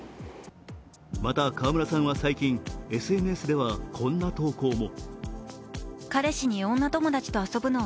また、川村さんは最近、ＳＮＳではこんな投稿も。